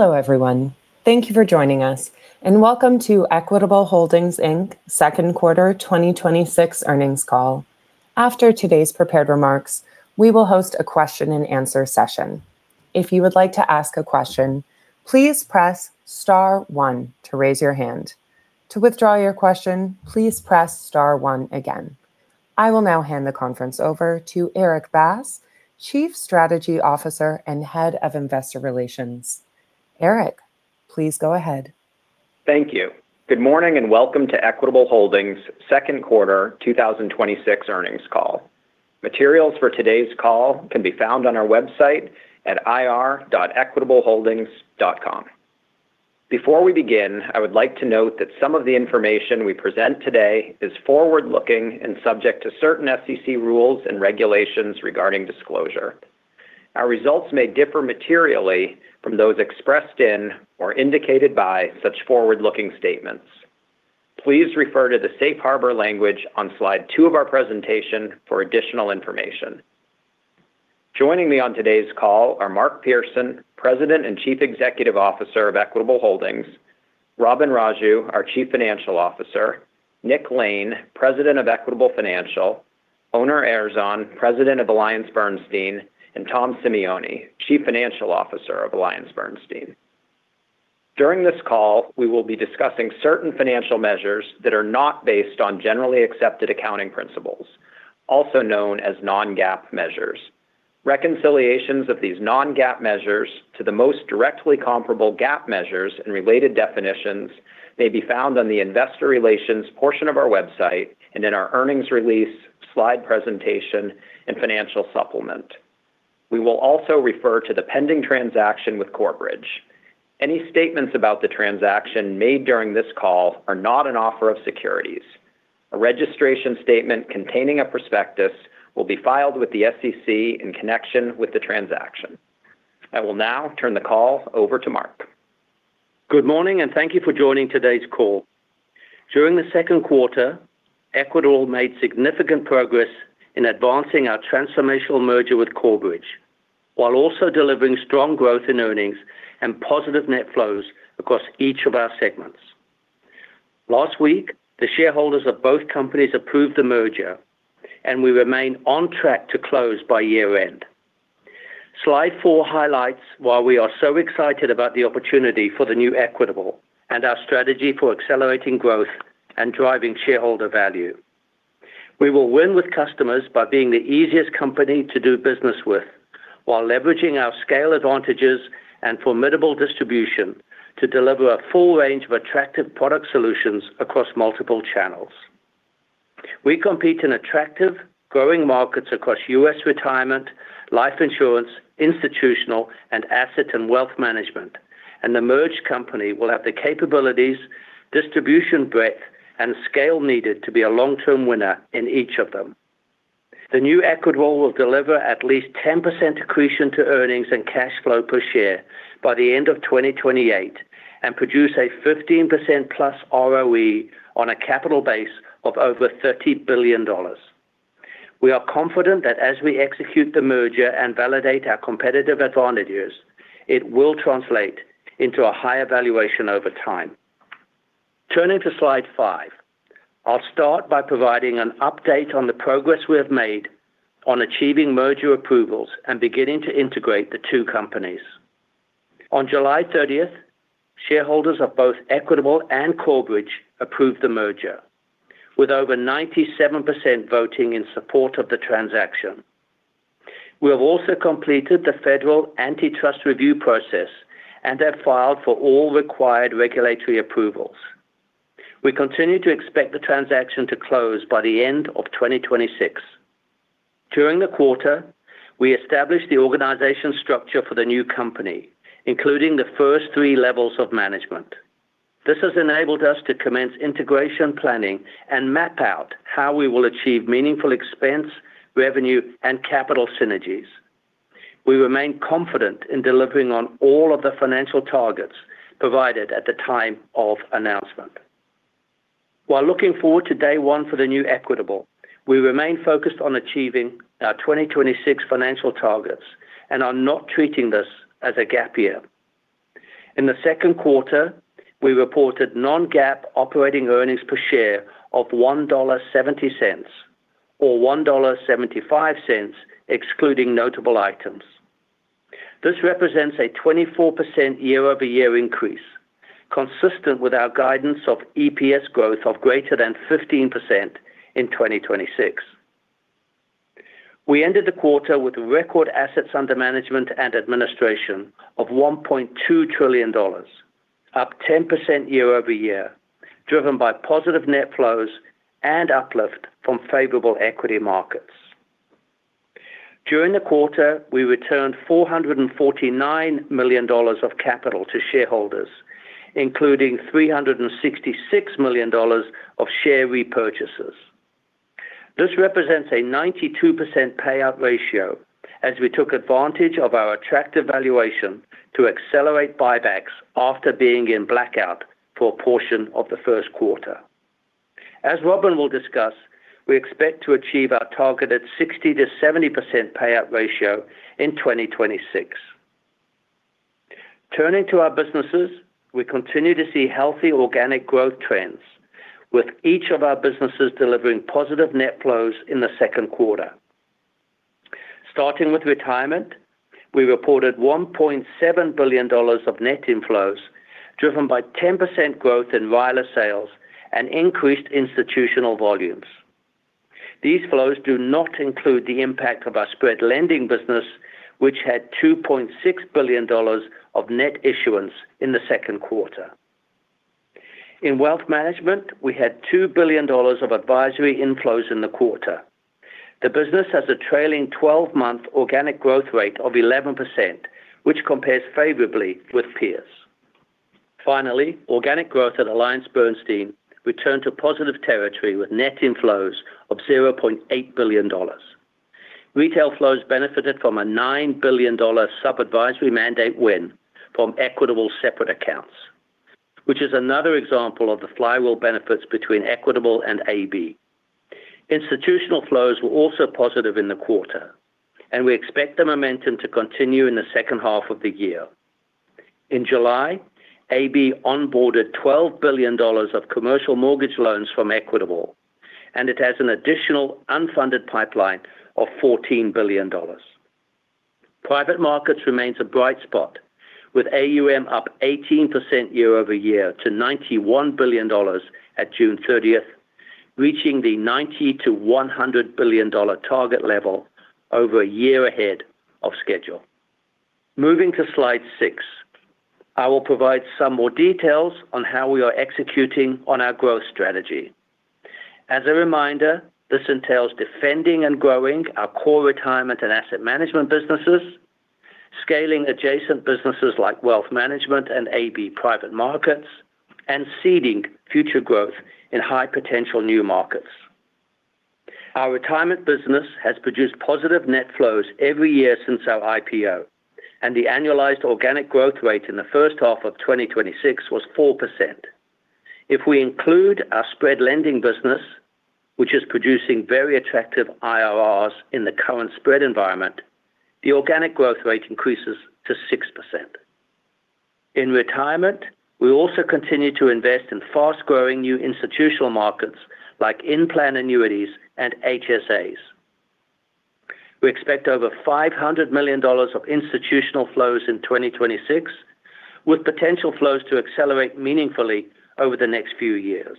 Hello, everyone. Thank you for joining us, and welcome to Equitable Holdings, Inc. second quarter 2026 earnings call. After today's prepared remarks, we will host a question and answer session. If you would like to ask a question, please press star one to raise your hand. To withdraw your question, please press star one again. I will now hand the conference over to Erik Bass, Chief Strategy Officer and Head of Investor Relations. Erik, please go ahead. Thank you. Good morning and welcome to Equitable Holdings second quarter 2026 earnings call. Materials for today's call can be found on our website at ir.equitableholdings.com. Before we begin, I would like to note that some of the information we present today is forward-looking and subject to certain SEC rules and regulations regarding disclosure. Our results may differ materially from those expressed in or indicated by such forward-looking statements. Please refer to the safe harbor language on slide two of our presentation for additional information. Joining me on today's call are Mark Pearson, President and Chief Executive Officer of Equitable Holdings, Robin Raju, our Chief Financial Officer, Nick Lane, President of Equitable Financial, Onur Erzan, President of AllianceBernstein, and Tom Simeone, Chief Financial Officer of AllianceBernstein. During this call, we will be discussing certain financial measures that are not based on Generally Accepted Accounting Principles, also known as non-GAAP measures. Reconciliations of these non-GAAP measures to the most directly comparable GAAP measures and related definitions may be found on the investor relations portion of our website and in our earnings release, slide presentation, and financial supplement. We will also refer to the pending transaction with Corebridge. Any statements about the transaction made during this call are not an offer of securities. A registration statement containing a prospectus will be filed with the SEC in connection with the transaction. I will now turn the call over to Mark. Good morning, and thank you for joining today's call. During the second quarter, Equitable made significant progress in advancing our transformational merger with Corebridge, while also delivering strong growth in earnings and positive net flows across each of our segments. Last week, the shareholders of both companies approved the merger, and we remain on track to close by year-end. Slide four highlights why we are so excited about the opportunity for the new Equitable and our strategy for accelerating growth and driving shareholder value. We will win with customers by being the easiest company to do business with while leveraging our scale advantages and formidable distribution to deliver a full range of attractive product solutions across multiple channels. We compete in attractive, growing markets across U.S. retirement, life insurance, institutional, and asset and wealth management. The merged company will have the capabilities, distribution breadth, and scale needed to be a long-term winner in each of them. The new Equitable will deliver at least 10% accretion to earnings and cash flow per share by the end of 2028 and produce a 15%+ ROE on a capital base of over $30 billion. We are confident that as we execute the merger and validate our competitive advantages, it will translate into a higher valuation over time. Turning to slide five. I will start by providing an update on the progress we have made on achieving merger approvals and beginning to integrate the two companies. On July 30th, shareholders of both Equitable and Corebridge approved the merger, with over 97% voting in support of the transaction. We have also completed the federal antitrust review process and have filed for all required regulatory approvals. We continue to expect the transaction to close by the end of 2026. During the quarter, we established the organization structure for the new company, including the first three levels of management. This has enabled us to commence integration planning and map out how we will achieve meaningful expense, revenue, and capital synergies. We remain confident in delivering on all of the financial targets provided at the time of announcement. While looking forward to day one for the new Equitable, we remain focused on achieving our 2026 financial targets and are not treating this as a gap year. In the second quarter, we reported non-GAAP operating earnings per share of $1.70 or $1.75 excluding notable items. This represents a 24% year-over-year increase, consistent with our guidance of EPS growth of greater than 15% in 2026. We ended the quarter with record assets under management and administration of $1.2 trillion, up 10% year-over-year, driven by positive net flows and uplift from favorable equity markets. During the quarter, we returned $449 million of capital to shareholders, including $366 million of share repurchases. This represents a 92% payout ratio as we took advantage of our attractive valuation to accelerate buybacks after being in blackout for a portion of the first quarter. As Robin will discuss, we expect to achieve our targeted 60%-70% payout ratio in 2026. Turning to our businesses, we continue to see healthy organic growth trends with each of our businesses delivering positive net flows in the second quarter. Starting with Retirement, we reported $1.7 billion of net inflows, driven by 10% growth in RILA sales and increased institutional volumes. These flows do not include the impact of our spread lending business, which had $2.6 billion of net issuance in the second quarter. In Wealth Management, we had $2 billion of advisory inflows in the quarter. The business has a trailing 12-month organic growth rate of 11%, which compares favorably with peers. Finally, organic growth at AllianceBernstein returned to positive territory with net inflows of $0.8 billion. Retail flows benefited from a $9 billion sub-advisory mandate win from Equitable separate accounts, which is another example of the flywheel benefits between Equitable and AB. Institutional flows were also positive in the quarter, and we expect the momentum to continue in the second half of the year. In July, AB onboarded $12 billion of commercial mortgage loans from Equitable, and it has an additional unfunded pipeline of $14 billion. Private markets remains a bright spot, with AUM up 18% year-over-year to $91 billion at June 30th, reaching the $90 billion-$100 billion target level over a year ahead of schedule. Moving to slide six, I will provide some more details on how we are executing on our growth strategy. As a reminder, this entails defending and growing our core Retirement and Asset Management businesses, scaling adjacent businesses like Wealth Management and AB Private Markets, and seeding future growth in high-potential new markets. Our Retirement business has produced positive net flows every year since our IPO, and the annualized organic growth rate in the first half of 2026 was 4%. If we include our spread lending business, which is producing very attractive IRRs in the current spread environment, the organic growth rate increases to 6%. In Retirement, we also continue to invest in fast-growing new institutional markets like in-plan annuities and HSAs. We expect over $500 million of institutional flows in 2026, with potential flows to accelerate meaningfully over the next few years.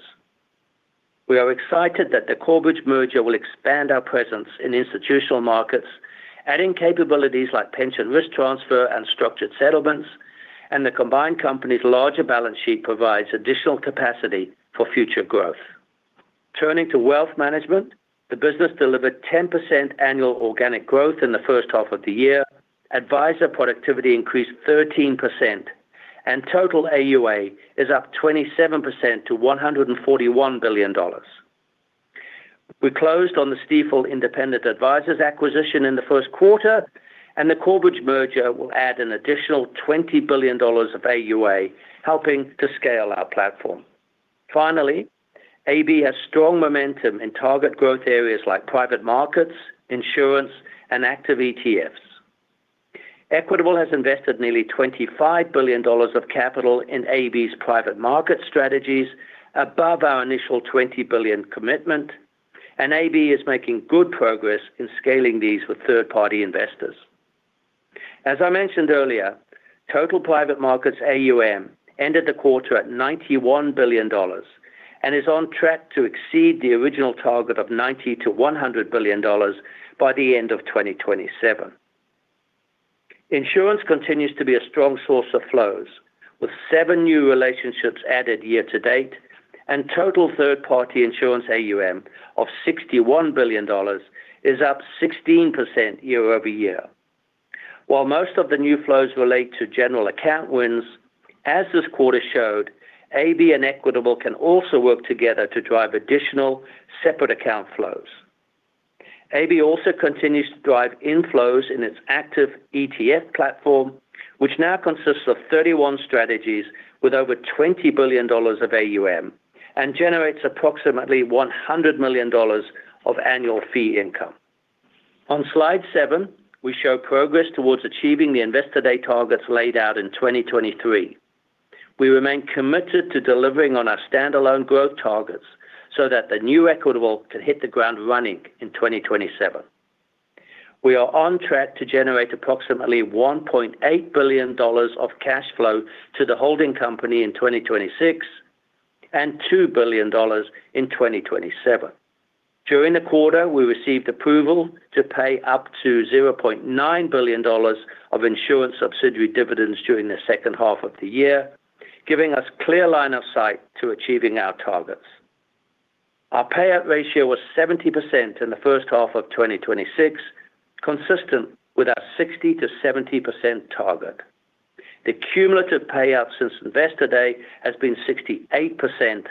We are excited that the Corebridge merger will expand our presence in institutional markets, adding capabilities like pension risk transfer and structured settlements, and the combined company's larger balance sheet provides additional capacity for future growth. Turning to Wealth Management, the business delivered 10% annual organic growth in the first half of the year. Advisor productivity increased 13%, and total AUA is up 27% to $141 billion. We closed on the Stifel Independent Advisors acquisition in the first quarter, and the Corebridge merger will add an additional $20 billion of AUA, helping to scale our platform. Finally, AB has strong momentum in target growth areas like private markets, insurance, and active ETFs. Equitable has invested nearly $25 billion of capital in AB's private market strategies above our initial $20 billion commitment, and AB is making good progress in scaling these with third-party investors. As I mentioned earlier, total private markets AUM ended the quarter at $91 billion and is on track to exceed the original target of $90 billion-$100 billion by the end of 2027. Insurance continues to be a strong source of flows, with seven new relationships added year-to-date, and total third-party insurance AUM of $61 billion is up 16% year-over-year. While most of the new flows relate to general account wins, as this quarter showed, AB and Equitable can also work together to drive additional separate account flows. AB also continues to drive inflows in its active ETF platform, which now consists of 31 strategies with over $20 billion of AUM and generates approximately $100 million of annual fee income. On slide seven, we show progress towards achieving the Investor Day targets laid out in 2023. We remain committed to delivering on our standalone growth targets so that the new Equitable can hit the ground running in 2027. We are on track to generate approximately $1.8 billion of cash flow to the holding company in 2026 and $2 billion in 2027. During the quarter, we received approval to pay up to $0.9 billion of insurance subsidiary dividends during the second half of the year, giving us clear line of sight to achieving our targets. Our payout ratio was 70% in the first half of 2026, consistent with our 60%-70% target. The cumulative payout since Investor Day has been 68%,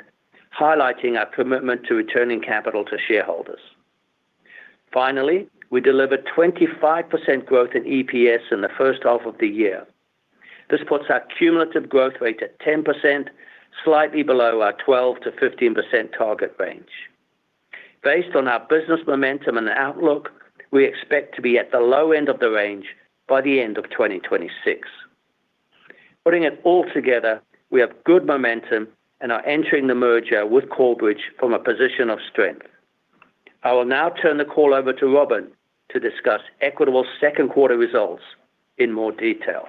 highlighting our commitment to returning capital to shareholders. Finally, we delivered 25% growth in EPS in the first half of the year. This puts our cumulative growth rate at 10%, slightly below our 12%-15% target range. Based on our business momentum and outlook, we expect to be at the low end of the range by the end of 2026. Putting it all together, we have good momentum and are entering the merger with Corebridge from a position of strength. I will now turn the call over to Robin to discuss Equitable's second quarter results in more detail.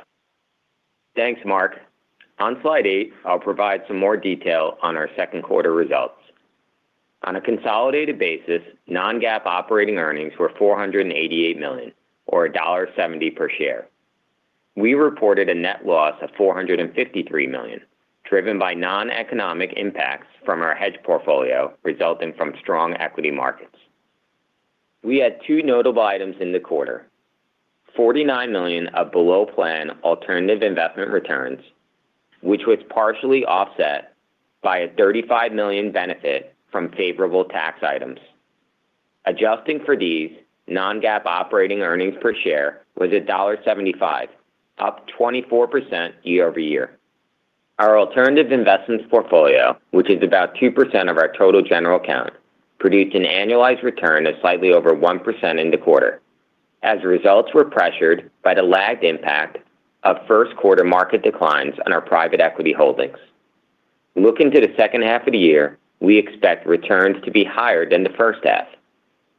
Thanks, Mark. On slide eight, I'll provide some more detail on our second quarter results. On a consolidated basis, non-GAAP operating earnings were $488 million, or $1.70 per share. We reported a net loss of $453 million, driven by non-economic impacts from our hedge portfolio resulting from strong equity markets. We had two notable items in the quarter. $49 million of below-plan alternative investment returns, which was partially offset by a $35 million benefit from favorable tax items. Adjusting for these, non-GAAP operating earnings per share was $1.75, up 24% year-over-year. Our alternative investments portfolio, which is about 2% of our total general account, produced an annualized return of slightly over 1% in the quarter, as results were pressured by the lagged impact of first quarter market declines on our private equity holdings. Looking to the second half of the year, we expect returns to be higher than the first half,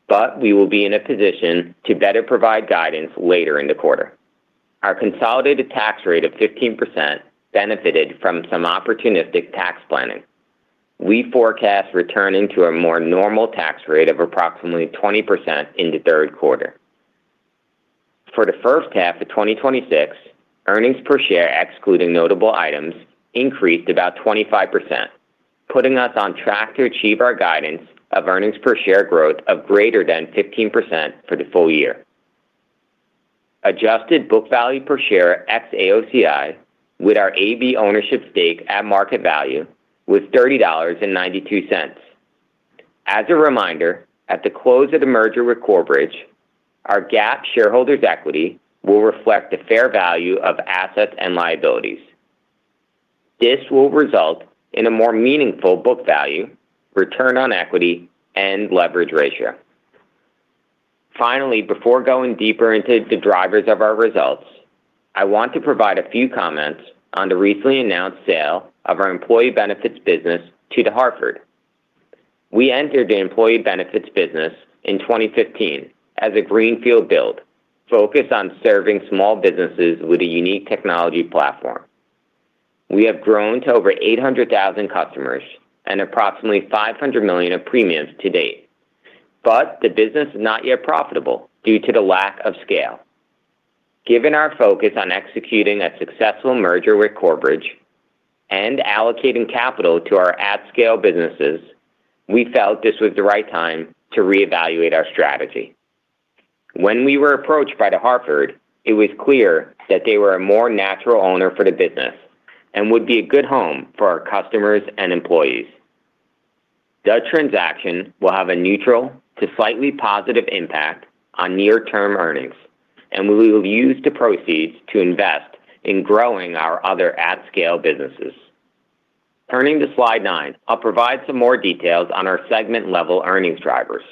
but we will be in a position to better provide guidance later in the quarter. Our consolidated tax rate of 15% benefited from some opportunistic tax planning. We forecast returning to a more normal tax rate of approximately 20% in the third quarter. For the first half of 2026, earnings per share, excluding notable items, increased about 25%, putting us on track to achieve our guidance of earnings per share growth of greater than 15% for the full year. Adjusted book value per share ex-AOCI, with our AB ownership stake at market value, was $30.92. As a reminder, at the close of the merger with Corebridge, our GAAP shareholders' equity will reflect the fair value of assets and liabilities. This will result in a more meaningful book value, return on equity, and leverage ratio. Finally, before going deeper into the drivers of our results, I want to provide a few comments on the recently announced sale of our employee benefits business to The Hartford. We entered the employee benefits business in 2015 as a greenfield build focused on serving small businesses with a unique technology platform. We have grown to over 800,000 customers and approximately $500 million of premiums to date. The business is not yet profitable due to the lack of scale. Given our focus on executing a successful merger with Corebridge and allocating capital to our at-scale businesses, we felt this was the right time to reevaluate our strategy. When we were approached by The Hartford, it was clear that they were a more natural owner for the business and would be a good home for our customers and employees. The transaction will have a neutral to slightly positive impact on near-term earnings, and we will use the proceeds to invest in growing our other at-scale businesses. Turning to slide nine, I'll provide some more details on our segment-level earnings drivers.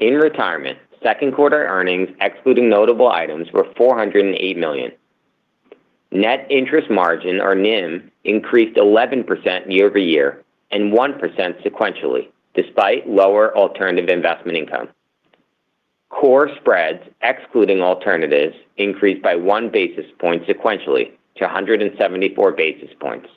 In Retirement, second quarter earnings, excluding notable items, were $408 million. Net interest margin, or NIM, increased 11% year-over-year and 1% sequentially, despite lower alternative investment income. Core spreads, excluding alternatives, increased by one basis point sequentially to 174 basis points.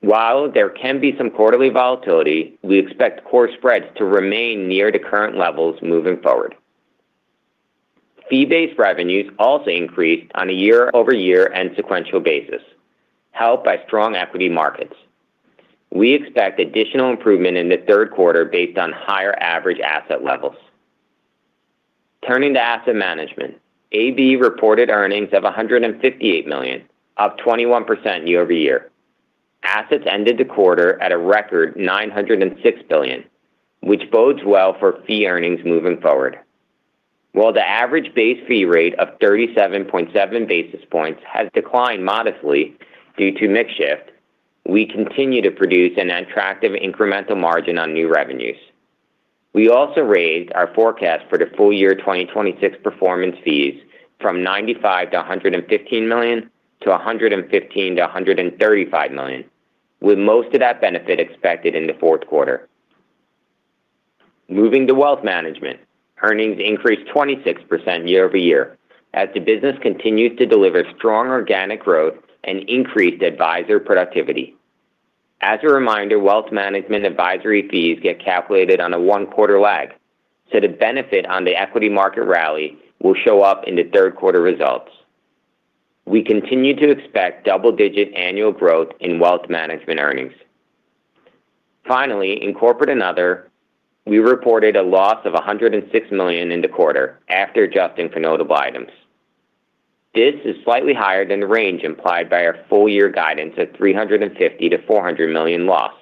While there can be some quarterly volatility, we expect core spreads to remain near the current levels moving forward. Fee-based revenues also increased on a year-over-year and sequential basis, helped by strong equity markets. We expect additional improvement in the third quarter based on higher average asset levels. Turning to Asset Management, AB reported earnings of $158 million, up 21% year-over-year. Assets ended the quarter at a record $906 billion, which bodes well for fee earnings moving forward. While the average base fee rate of 37.7 basis points has declined modestly due to mix shift, we continue to produce an attractive incremental margin on new revenues. We also raised our forecast for the full year 2026 performance fees from $95 million-$115 million to $115 million-$135 million, with most of that benefit expected in the fourth quarter. Moving to Wealth Management, earnings increased 26% year-over-year as the business continued to deliver strong organic growth and increased advisor productivity. As a reminder, Wealth Management advisory fees get calculated on a one-quarter lag, the benefit on the equity market rally will show up in the third quarter results. We continue to expect double-digit annual growth in Wealth Management earnings. Finally, in Corporate and Other, we reported a loss of $106 million in the quarter after adjusting for notable items. This is slightly higher than the range implied by our full year guidance of $350 million-$400 million loss.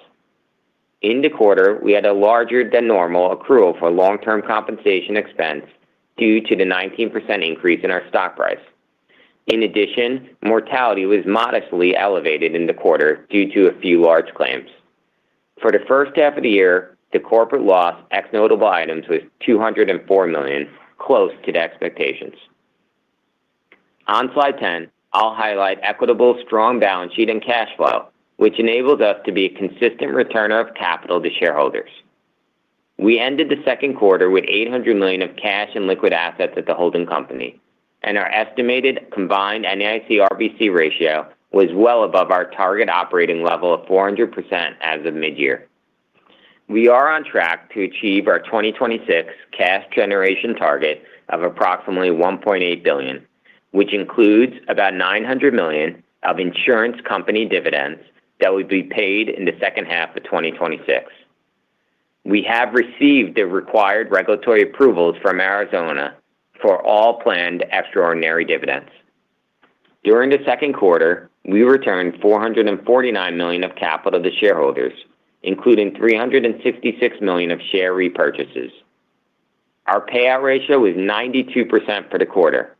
In the quarter, we had a larger than normal accrual for long-term compensation expense due to the 19% increase in our stock price. In addition, mortality was modestly elevated in the quarter due to a few large claims. For the first half of the year, the corporate loss, ex notable items, was $204 million, close to the expectations. On slide 10, I'll highlight Equitable's strong balance sheet and cash flow, which enables us to be a consistent returner of capital to shareholders. We ended the second quarter with $800 million of cash and liquid assets at the holding company, and our estimated combined NAIC RBC ratio was well above our target operating level of 400% as of mid-year. We are on track to achieve our 2026 cash generation target of approximately $1.8 billion, which includes about $900 million of insurance company dividends that will be paid in the second half of 2026. We have received the required regulatory approvals from Arizona for all planned extraordinary dividends. During the second quarter, we returned $449 million of capital to shareholders, including $366 million of share repurchases. Our payout ratio was 92% for the quarter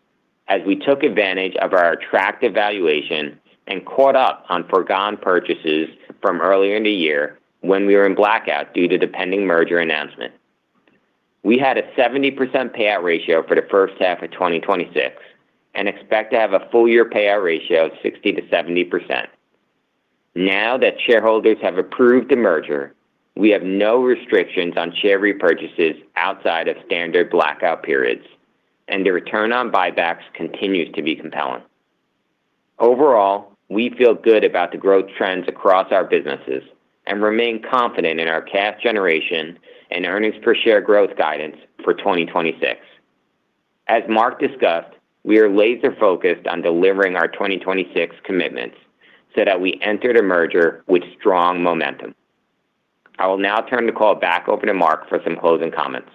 as we took advantage of our attractive valuation and caught up on foregone purchases from earlier in the year when we were in blackout due to the pending merger announcement. We had a 70% payout ratio for the first half of 2026 and expect to have a full year payout ratio of 60%-70%. Now that shareholders have approved the merger, we have no restrictions on share repurchases outside of standard blackout periods, and the return on buybacks continues to be compelling. Overall, we feel good about the growth trends across our businesses and remain confident in our cash generation and EPS growth guidance for 2026. As Mark discussed, we are laser-focused on delivering our 2026 commitments so that we enter the merger with strong momentum. I will now turn the call back over to Mark for some closing comments.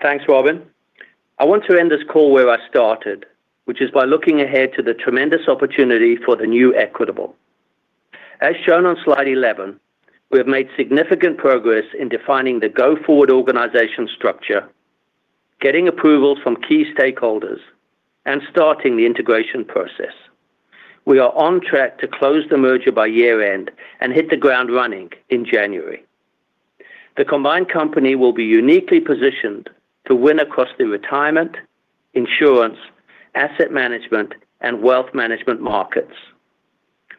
Thanks, Robin. I want to end this call where I started, which is by looking ahead to the tremendous opportunity for the new Equitable. As shown on slide 11, we have made significant progress in defining the go-forward organization structure, getting approvals from key stakeholders, and starting the integration process. We are on track to close the merger by year-end and hit the ground running in January. The combined company will be uniquely positioned to win across the retirement, insurance, asset management, and wealth management markets.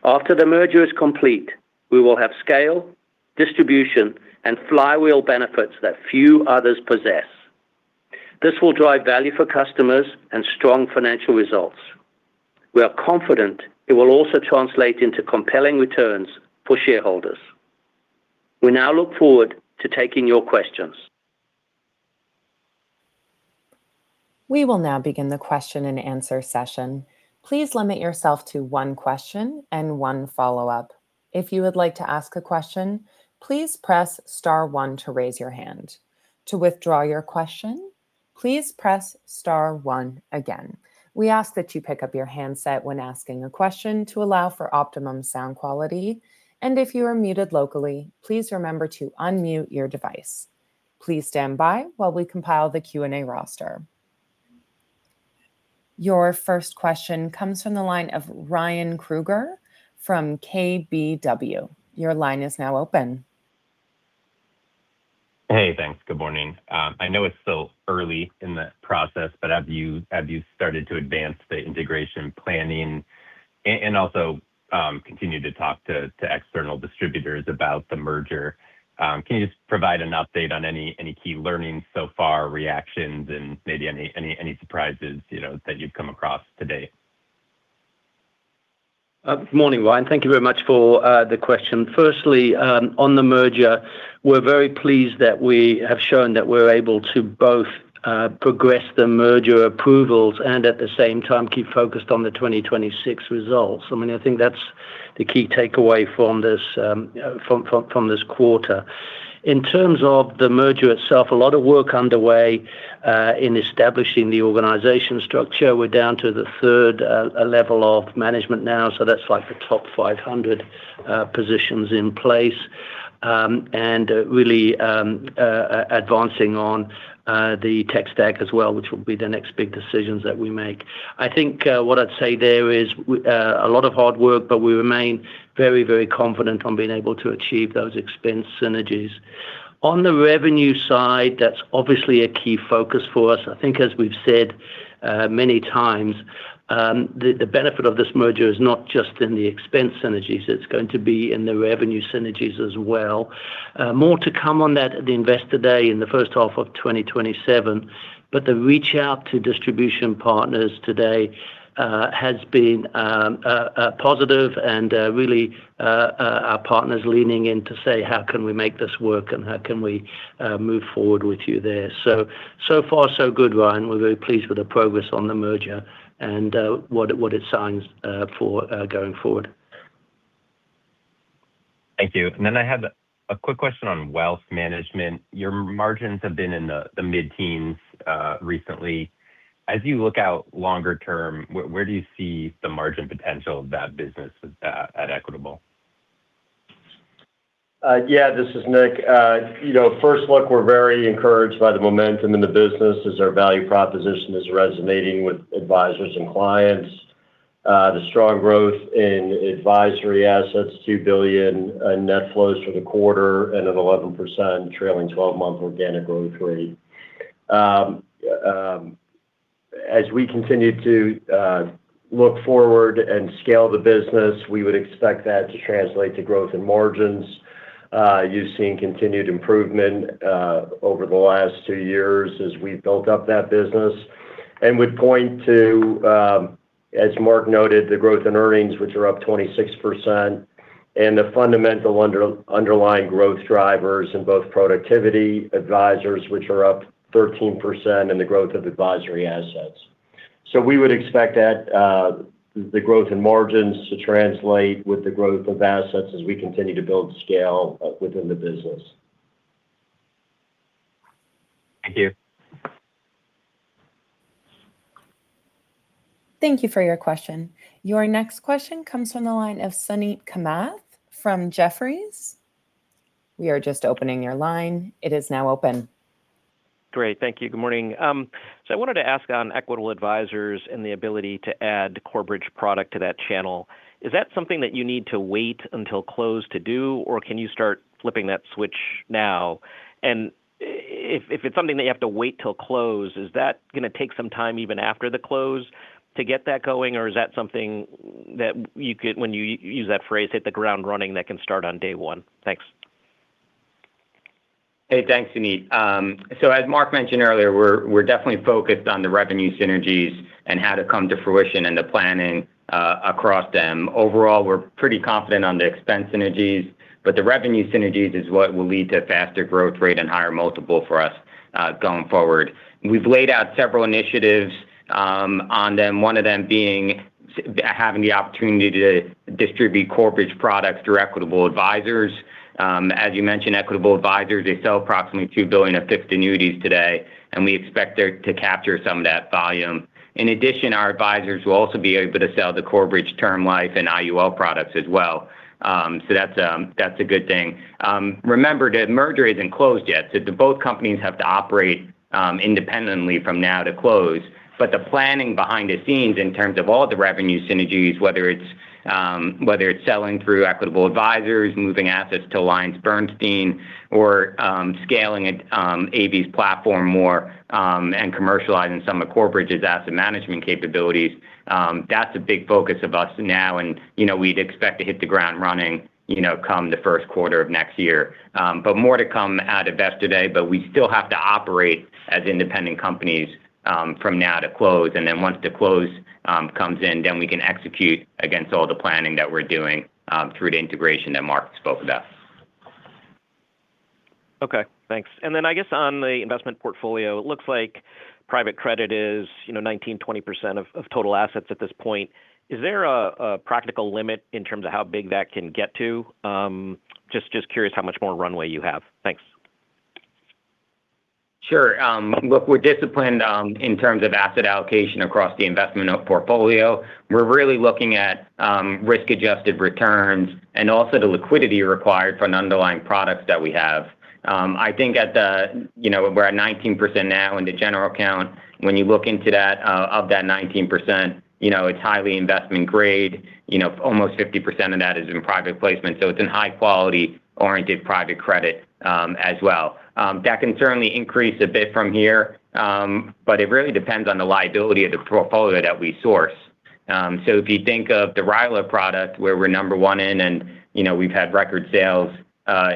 After the merger is complete, we will have scale, distribution, and flywheel benefits that few others possess. This will drive value for customers and strong financial results. We are confident it will also translate into compelling returns for shareholders. We now look forward to taking your questions. We will now begin the question-and-answer session. Please limit yourself to one question and one follow-up. If you would like to ask a question, please press star one to raise your hand. To withdraw your question, please press star one again. We ask that you pick up your handset when asking a question to allow for optimum sound quality, and if you are muted locally, please remember to unmute your device. Please stand by while we compile the Q&A roster. Your first question comes from the line of Ryan Krueger from KBW. Your line is now open. Thanks. Good morning. I know it's still early in the process, have you started to advance the integration planning and also continue to talk to external distributors about the merger? Can you just provide an update on any key learnings so far, reactions, and maybe any surprises that you've come across to date? Good morning, Ryan. Thank you very much for the question. Firstly, on the merger, we're very pleased that we have shown that we're able to both progress the merger approvals and at the same time keep focused on the 2026 results. I think that's the key takeaway from this quarter. In terms of the merger itself, a lot of work underway in establishing the organization structure. We're down to the third level of management now, so that's like the top 500 positions in place, and really advancing on the tech stack as well, which will be the next big decisions that we make. I think what I'd say there is a lot of hard work, we remain very confident on being able to achieve those expense synergies. On the revenue side, that's obviously a key focus for us. I think as we've said many times, the benefit of this merger is not just in the expense synergies, it's going to be in the revenue synergies as well. More to come on that at the Investor Day in the first half of 2027. The reach out to distribution partners to date has been positive and really our partners leaning in to say, "How can we make this work, and how can we move forward with you there?" So far so good, Ryan. We're very pleased with the progress on the merger and what it signs for going forward. Thank you. Then I had a quick question on Wealth Management. Your margins have been in the mid-teens recently. As you look out longer term, where do you see the margin potential of that business at Equitable? Yeah, this is Nick. First look, we're very encouraged by the momentum in the business as our value proposition is resonating with advisors and clients. The strong growth in advisory assets, $2 billion in net flows for the quarter and an 11% trailing 12-month organic growth rate. As we continue to look forward and scale the business, we would expect that to translate to growth in margins. You've seen continued improvement over the last two years as we've built up that business and would point to, as Mark noted, the growth in earnings, which are up 26%, and the fundamental underlying growth drivers in both productivity advisors, which are up 13%, and the growth of advisory assets. We would expect that the growth in margins to translate with the growth of assets as we continue to build scale within the business. Thank you. Thank you for your question. Your next question comes from the line of Suneet Kamath from Jefferies. We are just opening your line. It is now open. Great. Thank you. Good morning. I wanted to ask on Equitable Advisors and the ability to add Corebridge product to that channel. Is that something that you need to wait until close to do, or can you start flipping that switch now? If it's something that you have to wait till close, is that going to take some time even after the close to get that going, or is that something that you could, when you use that phrase, hit the ground running, that can start on day one? Thanks. Hey, thanks, Suneet. As Mark mentioned earlier, we're definitely focused on the revenue synergies and how to come to fruition and the planning across them. Overall, we're pretty confident on the expense synergies, but the revenue synergies is what will lead to faster growth rate and higher multiple for us going forward. We've laid out several initiatives on them, one of them being having the opportunity to distribute Corebridge products through Equitable Advisors. As you mentioned, Equitable Advisors, they sell approximately $2 billion of fixed annuities today, and we expect to capture some of that volume. In addition, our advisors will also be able to sell the Corebridge term life and IUL products as well. That's a good thing. Remember, the merger isn't closed yet, the both companies have to operate independently from now to close. The planning behind the scenes in terms of all the revenue synergies, whether it's selling through Equitable Advisors, moving assets to AllianceBernstein, or scaling AB's platform more and commercializing some of Corebridge's asset management capabilities, that's a big focus of us now. We'd expect to hit the ground running come the first quarter of next year. More to come out of Investor Day, we still have to operate as independent companies from now to close, and then once the close comes in, then we can execute against all the planning that we're doing through the integration that Mark spoke about. Okay, thanks. I guess on the investment portfolio, it looks like private credit is 19%-20% of total assets at this point. Is there a practical limit in terms of how big that can get to? Just curious how much more runway you have. Thanks. Sure. Look, we're disciplined in terms of asset allocation across the investment portfolio. We're really looking at risk-adjusted returns and also the liquidity required for an underlying product that we have. I think we're at 19% now in the general account. When you look into that, of that 19%, it's highly investment grade. Almost 50% of that is in private placement, so it's in high quality-oriented private credit as well. That can certainly increase a bit from here, but it really depends on the liability of the portfolio that we source. If you think of the RILA product where we're number one in and we've had record sales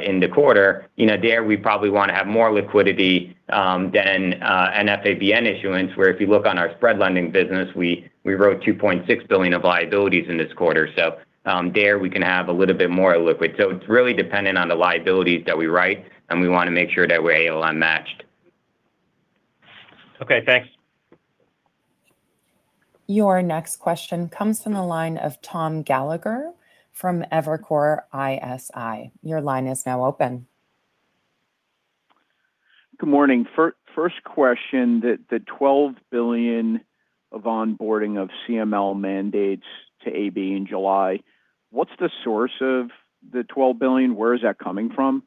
in the quarter, there we probably want to have more liquidity than an FABN issuance, where if you look on our spread lending business, we wrote $2.6 billion of liabilities in this quarter. There we can have a little bit more liquid. It's really dependent on the liabilities that we write, and we want to make sure that we're ALM matched. Okay, thanks. Your next question comes from the line of Tom Gallagher from Evercore ISI. Your line is now open. Good morning. First question, the $12 billion of onboarding of CML mandates to AB in July, what's the source of the $12 billion? Where is that coming from?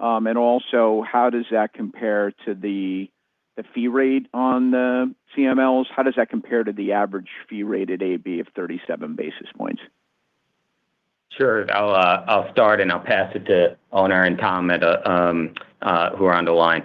How does that compare to the fee rate on the CMLs? How does that compare to the average fee rate at AB of 37 basis points? Sure. I'll start. I'll pass it to Onur and Tom who are on the line.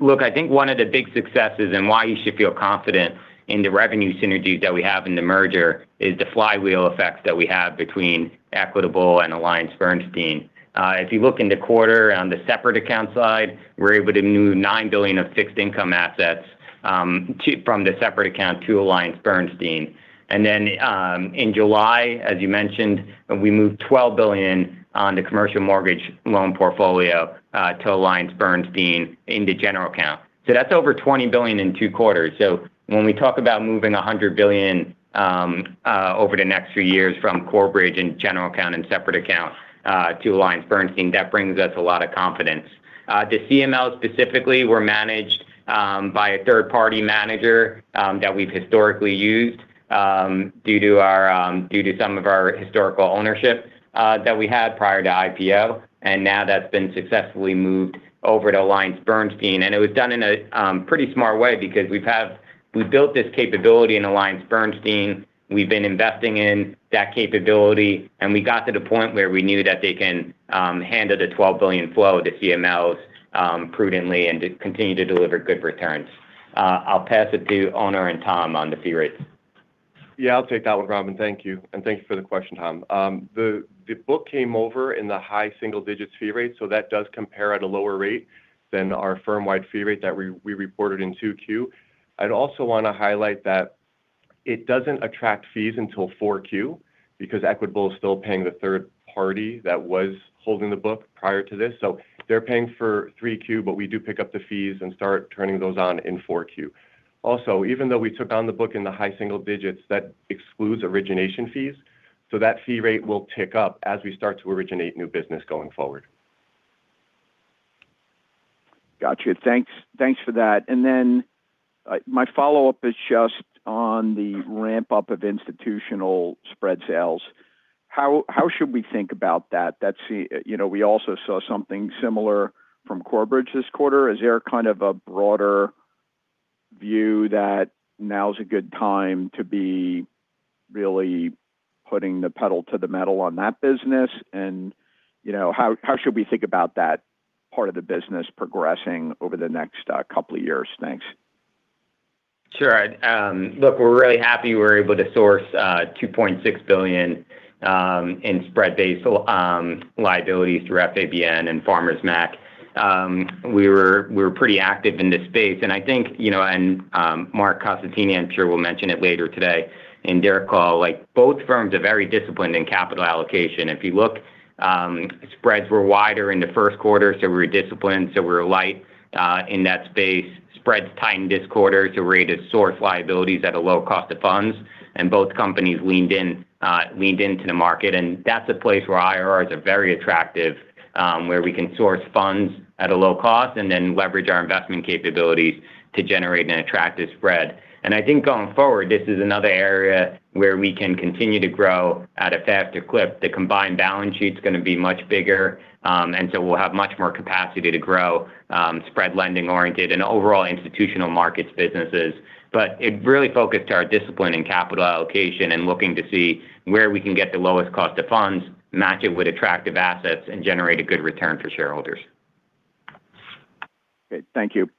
Look, I think one of the big successes and why you should feel confident in the revenue synergies that we have in the merger is the flywheel effect that we have between Equitable and AllianceBernstein. If you look in the quarter on the separate account side, we're able to move $9 billion of fixed income assets from the separate account to AllianceBernstein. In July, as you mentioned, we moved $12 billion on the commercial mortgage loan portfolio to AllianceBernstein in the general account. That's over $20 billion in two quarters. When we talk about moving $100 billion over the next few years from Corebridge in general account and separate account to AllianceBernstein, that brings us a lot of confidence. The CMLs specifically were managed by a third-party manager that we've historically used due to some of our historical ownership that we had prior to IPO, now that's been successfully moved over to AllianceBernstein. It was done in a pretty smart way because we've had—we built this capability in AllianceBernstein. We've been investing in that capability, we got to the point where we knew that they can handle the $12 billion flow to CMLs prudently and continue to deliver good returns. I'll pass it to Onur and Tom on the fee rates. Yeah, I'll take that one, Robin. Thank you. Thank you for the question, Tom. The book came over in the high single-digits fee rate, that does compare at a lower rate than our firm-wide fee rate that we reported in 2Q. I'd also want to highlight that it doesn't attract fees until 4Q because Equitable is still paying the third party that was holding the book prior to this. They're paying for 3Q, but we do pick up the fees and start turning those on in 4Q. Even though we took on the book in the high single-digits, that excludes origination fees. That fee rate will tick up as we start to originate new business going forward. Got you. Thanks for that. My follow-up is just on the ramp-up of institutional spread sales. How should we think about that? We also saw something similar from Corebridge this quarter. Is there a broader view that now's a good time to be really putting the pedal to the metal on that business, and how should we think about that part of the business progressing over the next couple of years? Thanks. Sure. Look, we're really happy we were able to source $2.6 billion in spread-based liabilities through FABN and Farmer Mac. We were pretty active in this space. I think Marc Costantini, I'm sure, will mention it later today in their call. Both firms are very disciplined in capital allocation. If you look, spreads were wider in the first quarter, we were disciplined, we were light in that space. Spreads tightened this quarter to rate of source liabilities at a low cost of funds, and both companies leaned into the market. That's a place where IRRs are very attractive, where we can source funds at a low cost and then leverage our investment capabilities to generate an attractive spread. I think going forward, this is another area where we can continue to grow at a fast clip. The combined balance sheet's going to be much bigger, we'll have much more capacity to grow spread lending oriented and overall institutional markets businesses. It really focused our discipline in capital allocation and looking to see where we can get the lowest cost of funds, match it with attractive assets, and generate a good return for shareholders. Great. Thank you.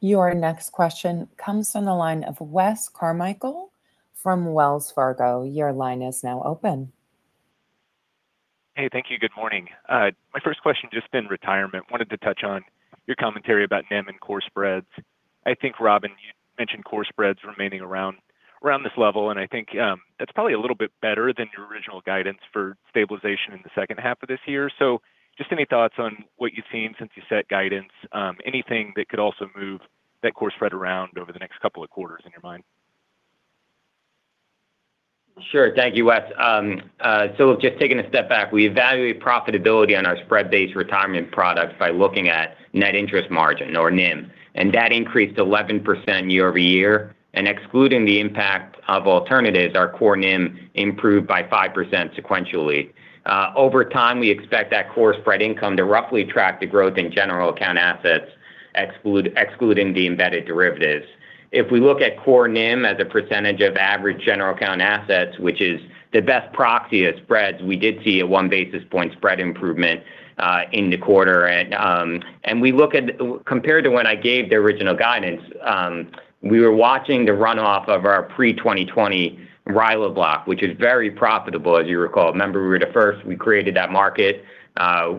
Your next question comes from the line of Wes Carmichael from Wells Fargo. Your line is now open. Hey, thank you. Good morning. My first question just in retirement. Wanted to touch on your commentary about NIM and core spreads. I think Robin, you mentioned core spreads remaining around this level, and I think that's probably a little bit better than your original guidance for stabilization in the second half of this year. Just any thoughts on what you've seen since you set guidance, anything that could also move that core spread around over the next couple of quarters in your mind? Sure. Thank you, Wes. Just taking a step back, we evaluate profitability on our spread-based retirement products by looking at net interest margin or NIM, and that increased 11% year-over-year. Excluding the impact of alternatives, our core NIM improved by 5% sequentially. Over time, we expect that core spread income to roughly track the growth in general account assets, excluding the embedded derivatives. If we look at core NIM as a percentage of average general account assets, which is the best proxy of spreads, we did see a one-basis point spread improvement in the quarter. Compared to when I gave the original guidance, we were watching the runoff of our pre-2020 RILA block, which is very profitable, as you recall. Remember, we were the first, we created that market.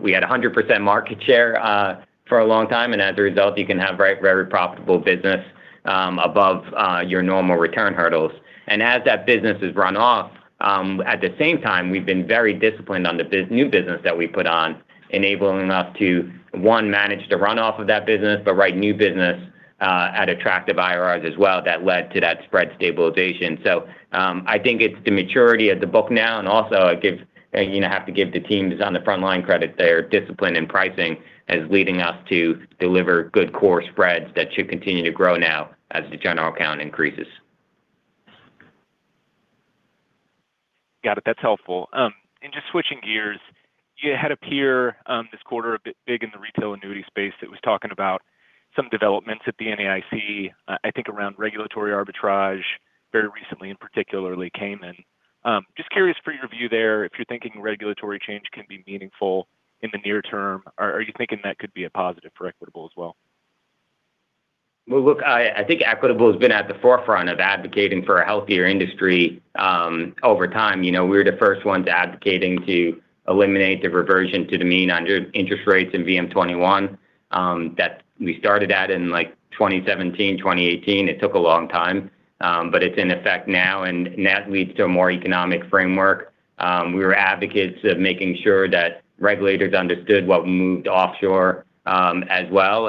We had 100% market share for a long time. As a result, you can have very profitable business above your normal return hurdles. As that business has run off, at the same time, we've been very disciplined on the new business that we put on, enabling us to, one, manage the runoff of that business, but write new business at attractive IRRs as well that led to that spread stabilization. I think it's the maturity of the book now and also you have to give the teams on the front line credit. Their discipline in pricing is leading us to deliver good core spreads that should continue to grow now as the general account increases. Got it. That's helpful. Just switching gears, you had a peer this quarter a bit big in the retail annuity space that was talking about some developments at the NAIC, I think around regulatory arbitrage very recently and particularly Cayman. Just curious for your view there, if you're thinking regulatory change can be meaningful in the near term. Are you thinking that could be a positive for Equitable as well? Look, I think Equitable has been at the forefront of advocating for a healthier industry. Over time, we were the first ones advocating to eliminate the reversion to the mean on interest rates in VM21 that we started at in like 2017, 2018. It took a long time, but it's in effect now. That leads to a more economic framework. We were advocates of making sure that regulators understood what moved offshore as well.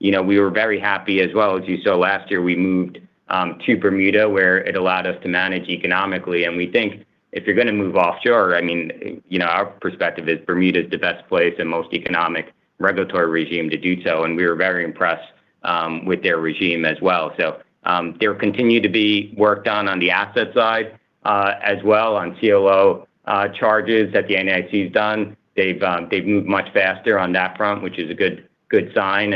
We were very happy as well. As you saw last year, we moved to Bermuda, where it allowed us to manage economically. We think if you're going to move offshore, our perspective is Bermuda is the best place and most economic regulatory regime to do so, and we were very impressed with their regime as well. There continue to be work done on the asset side as well on CLO charges that the NAIC has done. They've moved much faster on that front, which is a good sign.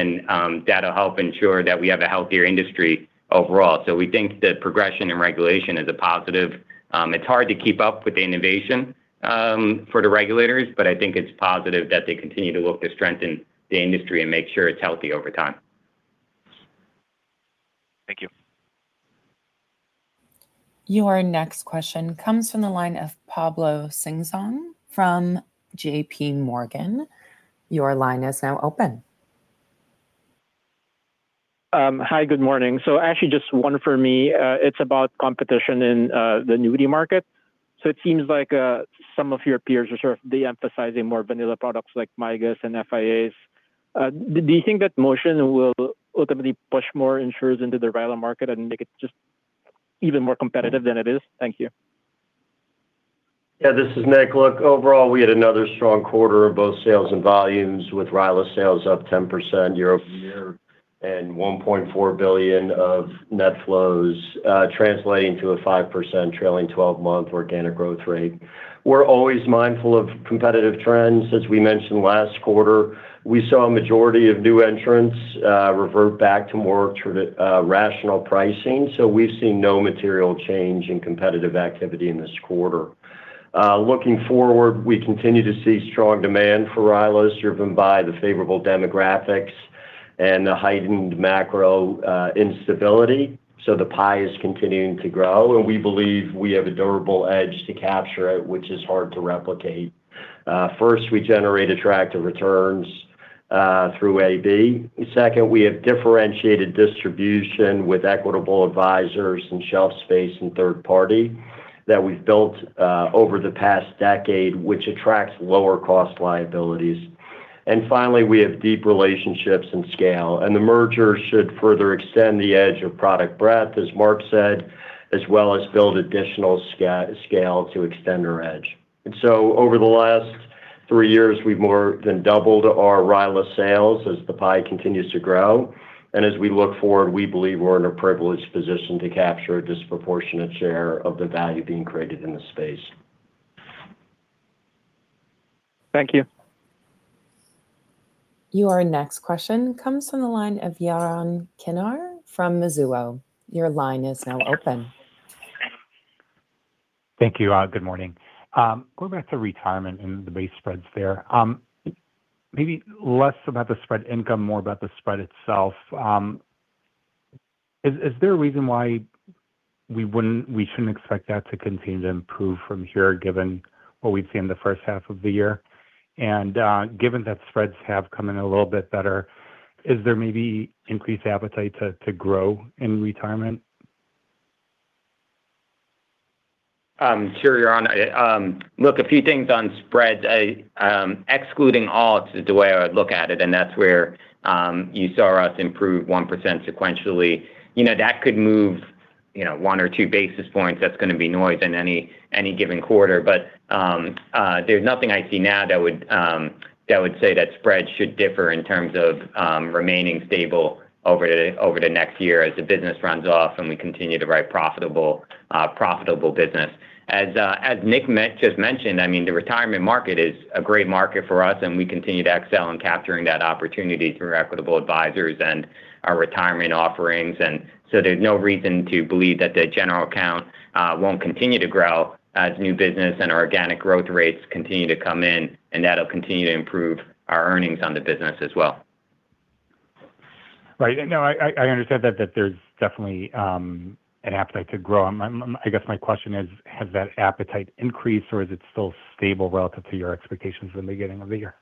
That'll help ensure that we have a healthier industry overall. We think that progression in regulation is a positive. It's hard to keep up with the innovation for the regulators, but I think it's positive that they continue to look to strengthen the industry and make sure it's healthy over time. Thank you. Your next question comes from the line of Pablo Singzon from JPMorgan. Your line is now open. Hi, good morning. Actually just one for me. It's about competition in the annuity market. It seems like some of your peers are sort of de-emphasizing more vanilla products like MYGAs and FIAs. Do you think that motion will ultimately push more insurers into the RILA market and make it just even more competitive than it is? Thank you. Yeah, this is Nick. Look, overall, we had another strong quarter of both sales and volumes with RILA sales up 10% year-over-year and $1.4 billion of net flows translating to a 5% trailing 12-month organic growth rate. We're always mindful of competitive trends. As we mentioned last quarter, we saw a majority of new entrants revert back to more rational pricing. We've seen no material change in competitive activity in this quarter. Looking forward, we continue to see strong demand for RILAs driven by the favorable demographics and the heightened macro instability. The pie is continuing to grow, and we believe we have a durable edge to capture it, which is hard to replicate. First, we generate attractive returns through AB. Second, we have differentiated distribution with Equitable Advisors and shelf space and third party that we've built over the past decade, which attracts lower cost liabilities. Finally, we have deep relationships and scale, and the merger should further extend the edge of product breadth, as Mark said, as well as build additional scale to extend our edge. Over the last three years, we've more than doubled our RILA sales as the pie continues to grow. As we look forward, we believe we're in a privileged position to capture a disproportionate share of the value being created in the space. Thank you. Your next question comes from the line of Yaron Kinar from Mizuho. Your line is now open. Thank you. Good morning. Going back to Retirement and the base spreads there. Maybe less about the spread income, more about the spread itself. Is there a reason why we shouldn't expect that to continue to improve from here, given what we've seen the first half of the year? Given that spreads have come in a little bit better, is there maybe increased appetite to grow in Retirement? Sure, Yaron. Look, a few things on spreads. Excluding alts is the way I would look at it, and that's where you saw us improve 1% sequentially. That could move 1 basis points or 2 basis points. That's going to be noise in any given quarter. There's nothing I see now that would say that spreads should differ in terms of remaining stable over the next year as the business runs off and we continue to write profitable business. As Nick just mentioned, the retirement market is a great market for us, and we continue to excel in capturing that opportunity through our Equitable Advisors and our retirement offerings. There's no reason to believe that the general account won't continue to grow as new business and organic growth rates continue to come in, and that'll continue to improve our earnings on the business as well. Right. No, I understand that there's definitely an appetite to grow. I guess my question is, has that appetite increased, or is it still stable relative to your expectations in the beginning of the year?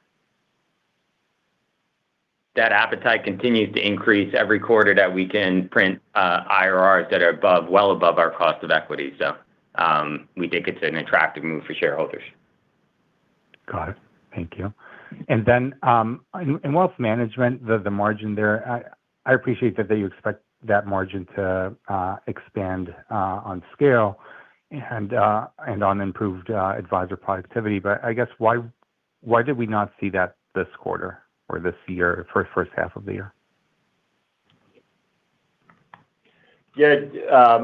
That appetite continues to increase every quarter that we can print IRRs that are well above our cost of equity. We think it's an attractive move for shareholders. Got it. Thank you. Then in Wealth Management, the margin there, I appreciate that you expect that margin to expand on scale and on improved advisor productivity, I guess why did we not see that this quarter or this year for first half of the year? Yeah.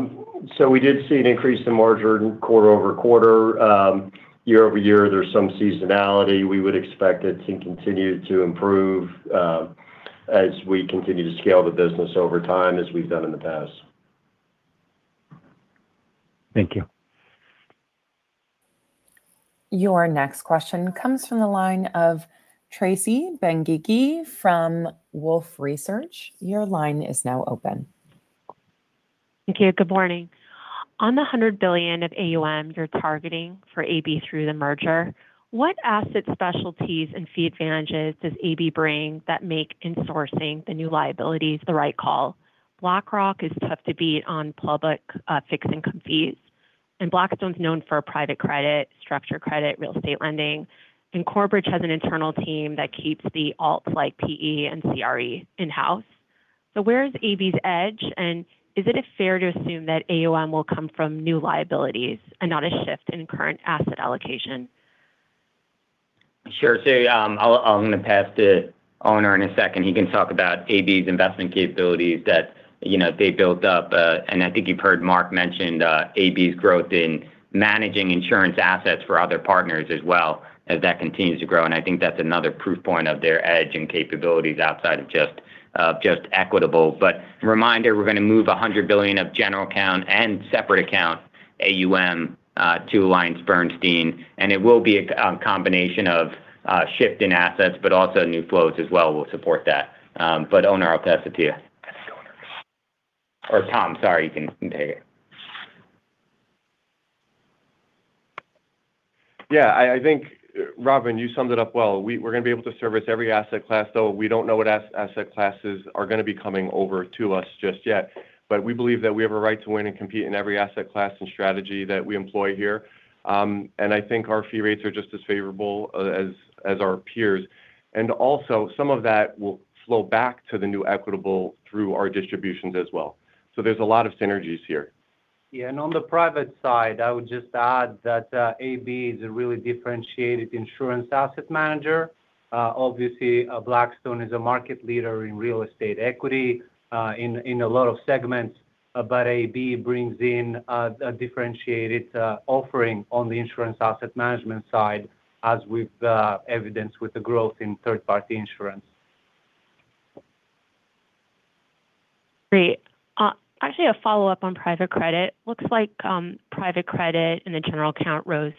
We did see an increase in margin quarter-over-quarter. Year-over-year, there's some seasonality. We would expect it to continue to improve as we continue to scale the business over time as we've done in the past. Thank you. Your next question comes from the line of Tracy Benguigui from Wolfe Research. Your line is now open. Thank you. Good morning. On the $100 billion of AUM you're targeting for AB through the merger, what asset specialties and fee advantages does AB bring that make insourcing the new liabilities the right call? BlackRock is tough to beat on public fixed income fees, and Blackstone's known for private credit, structured credit, real estate lending, and Corebridge has an internal team that keeps the alts like PE and CRE in-house. Where is AB's edge, and is it fair to assume that AUM will come from new liabilities and not a shift in current asset allocation? Sure. Yeah, I am going to pass to Onur in a second. He can talk about AB's investment capabilities that they built up. I think you have heard Mark mention AB's growth in managing insurance assets for other partners as well, as that continues to grow. I think that is another proof point of their edge and capabilities outside of just Equitable. Reminder, we are going to move $100 billion of general account and separate accounts, AUM to AllianceBernstein, and it will be a combination of shift in assets, but also new flows as well will support that. Onur, I will pass it to you. Tom, sorry, you can take it. Yeah, I think, Robin, you summed it up well. We are going to be able to service every asset class, though we do not know what asset classes are going to be coming over to us just yet. We believe that we have a right to win and compete in every asset class and strategy that we employ here. I think our fee rates are just as favorable as our peers. Also, some of that will flow back to the new Equitable through our distributions as well. There is a lot of synergies here. Yeah, on the private side, I would just add that AB is a really differentiated insurance asset manager. Obviously, Blackstone is a market leader in real estate equity, in a lot of segments. AB brings in a differentiated offering on the insurance asset management side, as with the evidence with the growth in third-party insurance. Great. Actually, a follow-up on private credit. Looks like private credit in the general account rose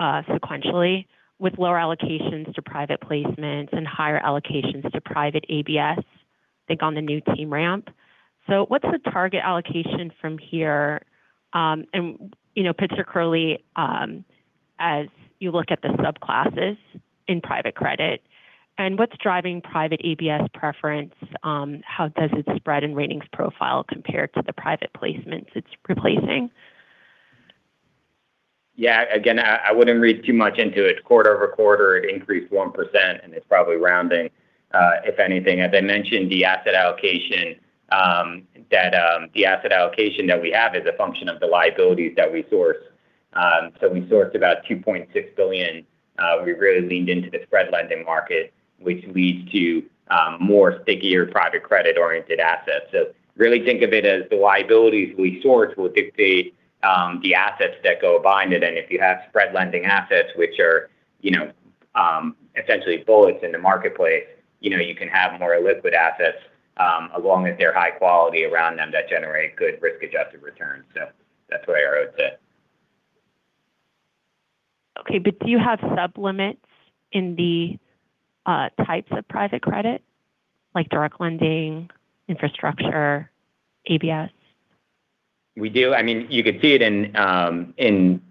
sequentially with lower allocations to private placements and higher allocations to private ABS, I think on the new team ramp. What is the target allocation from here? [Particularly] as you look at the subclasses in private credit, and what is driving private ABS preference, how does it spread and ratings profile compared to the private placements it is replacing? Again, I wouldn't read too much into it. Quarter-over-quarter, it increased 1%. It's probably rounding. If anything, as I mentioned, the asset allocation that we have is a function of the liabilities that we source. We sourced about $2.6 billion. We really leaned into the spread lending market, which leads to more stickier private credit-oriented assets. Really think of it as the liabilities we source will dictate the assets that go behind it. If you have spread lending assets, which are essentially bullets in the marketplace, you can have more liquid assets, along with their high quality around them that generate good risk-adjusted returns. That's where I would sit. Do you have sub-limits in the types of private credit, like direct lending, infrastructure, ABS? We do. You could see it in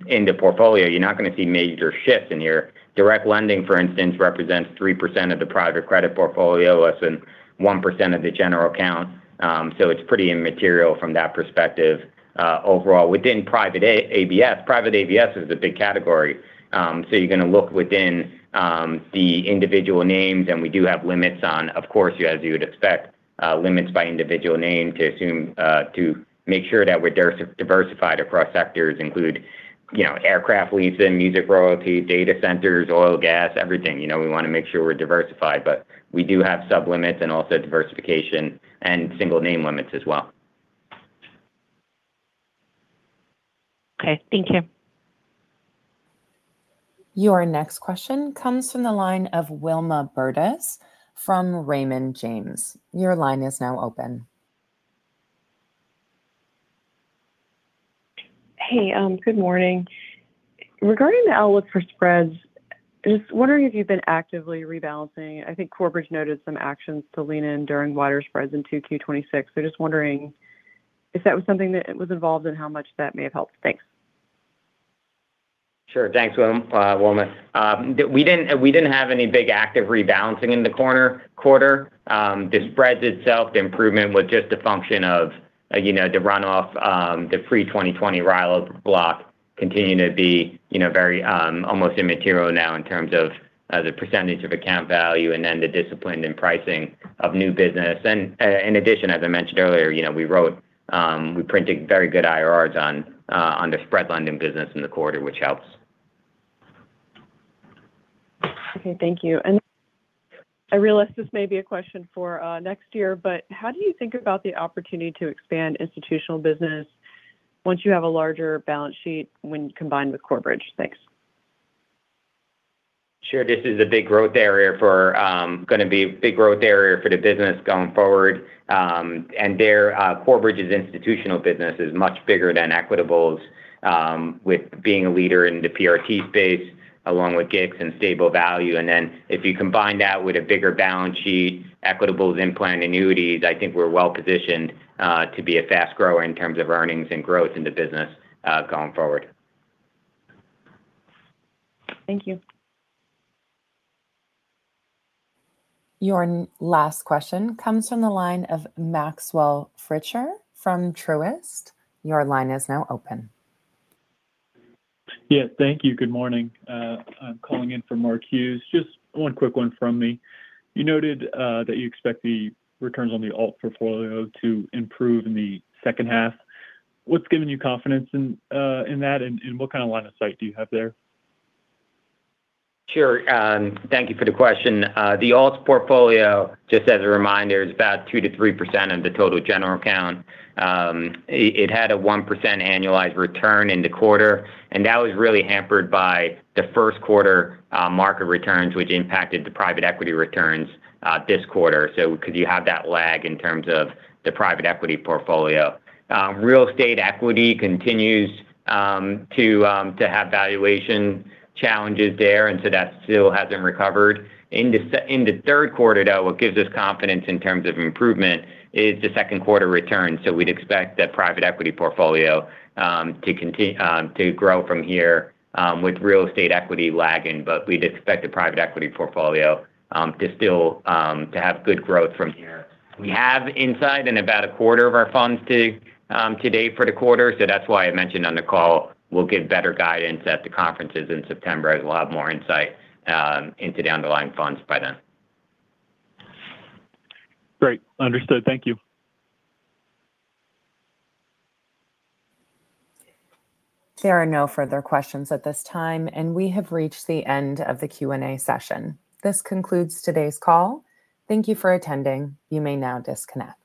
the portfolio. You're not going to see major shifts in your—direct lending, for instance, represents 3% of the private credit portfolio, less than 1% of the general account. It's pretty immaterial from that perspective. Overall, within private ABS, private ABS is the big category. You're going to look within the individual names. We do have limits on, of course, as you would expect, limits by individual name to make sure that we're diversified across sectors, include aircraft leases, music royalties, data centers, oil & gas, everything. We want to make sure we're diversified. We do have sub-limits and also diversification and single name limits as well. Thank you. Your next question comes from the line of Wilma Burdis from Raymond James. Your line is now open. Hey, good morning. Regarding the outlook for spreads, just wondering if you've been actively rebalancing. I think Corebridge noted some actions to lean in during wider spreads in 2Q 2026. Just wondering if that was something that was involved and how much that may have helped. Thanks. Sure. Thanks, Wilma. We didn't have any big active rebalancing in the quarter. The spreads itself, the improvement was just a function of the runoff, the pre-2020 RILA block continuing to be almost immaterial now in terms of the percentage of account value and then the discipline in pricing of new business. In addition, as I mentioned earlier, we printed very good IRRs on the spread lending business in the quarter, which helps. Okay. Thank you. I realize this may be a question for next year, but how do you think about the opportunity to expand institutional business once you have a larger balance sheet when combined with Corebridge? Thanks. Sure. This is going to be a big growth area for the business going forward. Corebridge's institutional business is much bigger than Equitable's, with being a leader in the PRT space along with GICs and stable value. If you combine that with a bigger balance sheet, Equitable's in-plan annuities, I think we're well-positioned to be a fast grower in terms of earnings and growth in the business going forward. Thank you. Your last question comes from the line of Maxwell Fritscher from Truist. Your line is now open. Thank you. Good morning. I'm calling in for Mark Hughes. Just one quick one from me. You noted that you expect the returns on the alt portfolio to improve in the second half. What's giving you confidence in that, and what kind of line of sight do you have there? Sure. Thank you for the question. The alts portfolio, just as a reminder, is about 2%-3% of the total general account. It had a 1% annualized return in the quarter, and that was really hampered by the first quarter market returns, which impacted the private equity returns this quarter. Because you have that lag in terms of the private equity portfolio. Real estate equity continues to have valuation challenges there, and that still hasn't recovered. In the third quarter, though, what gives us confidence in terms of improvement is the second quarter return. We'd expect the private equity portfolio to grow from here with real estate equity lagging, but we'd expect the private equity portfolio to have good growth from here. We have insight in about a quarter of our funds to date for the quarter, that's why I mentioned on the call we'll give better guidance at the conferences in September as we'll have more insight into the underlying funds by then. Great. Understood. Thank you. There are no further questions at this time. We have reached the end of the Q&A session. This concludes today's call. Thank you for attending. You may now disconnect.